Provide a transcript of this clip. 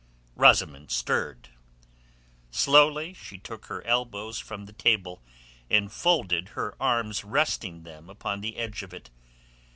Rosamund stirred. Slowly she took her elbows from the table, and folded her arms resting them upon the edge of it.